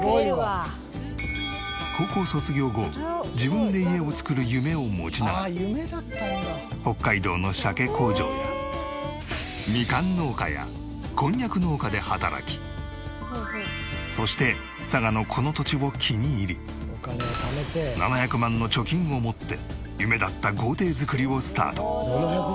高校卒業後自分で家を造る夢を持ちながら北海道のしゃけ工場やみかん農家やこんにゃく農家で働きそして佐賀のこの土地を気に入り７００万の貯金を持って夢だった豪邸造りをスタート。